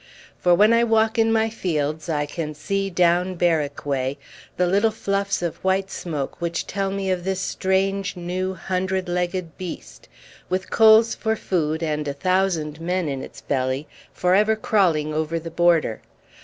For when I walk in my fields I can see, down Berwick way, the little fluffs of white smoke which tell me of this strange new hundred legged beast, with coals for food and a thousand men in its belly, for ever crawling over the border.